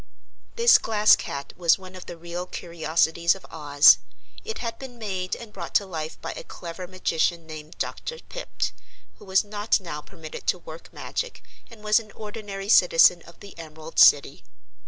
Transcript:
This Glass Cat was one of the real curiosities of Oz. It had been made and brought to life by a clever magician named Dr. Pipt, who was not now permitted to work magic and was an ordinary citizen of the Emerald City.